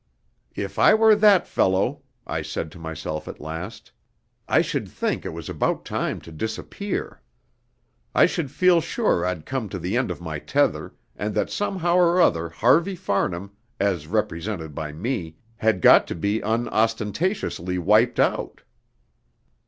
"If I were that fellow," I said to myself at last, "I should think it was about time to disappear. I should feel sure I'd come to the end of my tether, and that somehow or other Harvey Farnham, as represented by me, had got to be unostentatiously wiped out."